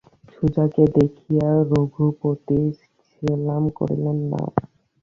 সুজাকে দেখিয়া রঘুপতি সেলাম করিলেন না।